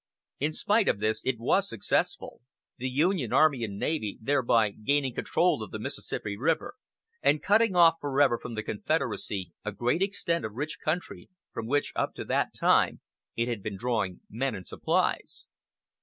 In spite of this it was successful, the Union army and navy thereby gaining control of the Mississippi River and cutting off forever from the Confederacy a great extent of rich country, from which, up to that time, it had been drawing men and supplies.